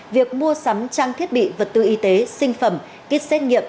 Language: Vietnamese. việc mua sắm trang thiết bị vật tư y tế sinh phẩm kit xét nghiệm